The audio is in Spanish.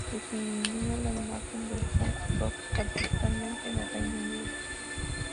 Definió la imagen del punk rock particularmente en el Reino Unido.